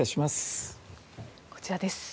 こちらです。